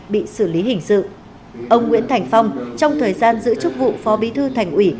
bị xử lý hình sự ông nguyễn thành phong trong thời gian giữ chức vụ phó bí thư thành ủy